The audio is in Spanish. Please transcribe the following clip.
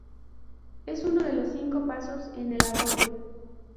Es uno de los cinco pasos en el arroyo.